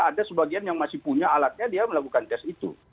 ada sebagian yang masih punya alatnya dia melakukan tes itu